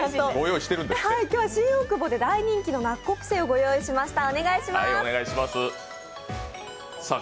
今日は新大久保で大人気のナッコプセをご用意しました。